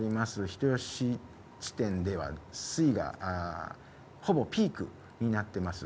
人吉市地点では水位がほぼピークになってます。